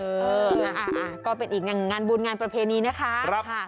เออก็เป็นอีกงานบุญงานประเพณีนะคะ